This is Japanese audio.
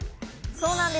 そうなんです。